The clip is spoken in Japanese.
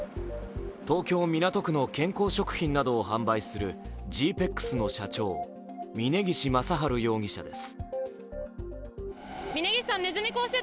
東京・港区の健康食品などを販売するＧ−ＰＥＸの社長、峯岸正治容疑者です。